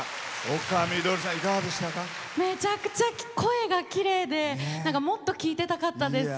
めちゃくちゃ声がきれいでもっと聴いてたかったです。